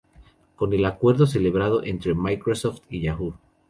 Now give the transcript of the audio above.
Con el acuerdo celebrado entre Microsoft y Yahoo!